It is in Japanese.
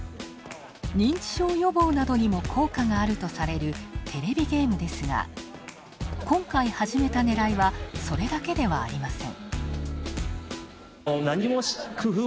認知症予防などにも効果があるとされるテレビゲームですが、今回、始めたねらいはそれだけではありません。